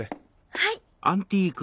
はい。